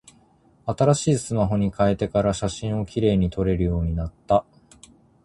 新しいスマホに変えてから、写真綺麗に撮れるようになった。